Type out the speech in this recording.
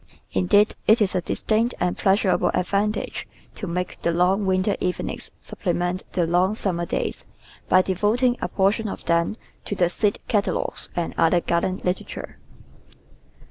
Indeed, it is a distinct and pleasurable advantage to make the long winter evenings sup plement the long summer days by devoting a portion of them to the seed catalogues and other garden literature.